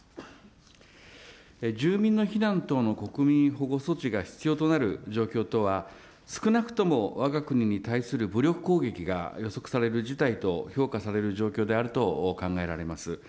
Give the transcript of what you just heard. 住民の避難等の国民保護措置が必要となる状況とは、少なくともわが国に対する武力攻撃が予測される事態と評価される状況であると考えられます。